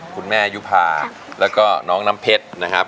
คุณแม่ยุภาแล้วก็น้องน้ำเพชรนะครับ